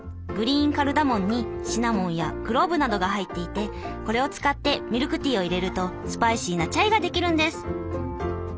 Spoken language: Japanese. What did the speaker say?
グリーンカルダモンにシナモンやクローブなどが入っていてこれを使ってミルクティーをいれるとスパイシーなチャイができるんです。